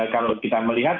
kalau kita melihat